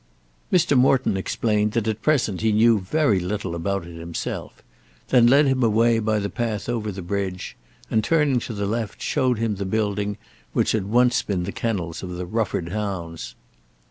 Mr. Morton explained that at present he knew very little about it himself, then led him away by the path over the bridge, and turning to the left showed him the building which had once been the kennels of the Rufford hounds.